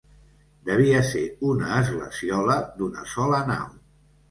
Devia ser una esglesiola d'una sola nau.